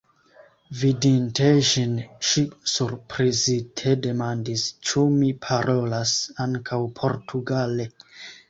Vidinte ĝin, ŝi surprizite demandis, ĉu mi parolas ankaŭ portugale.